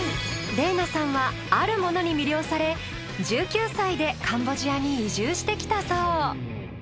澪那さんはあるものに魅了され１９歳でカンボジアに移住してきたそう。